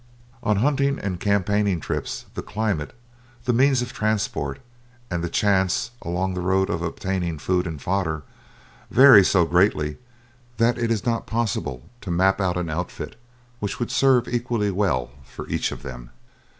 On hunting and campaigning trips the climate, the means of transport, and the chance along the road of obtaining food and fodder vary so greatly that it is not possible to map out an outfit which would serve equally well for each of them.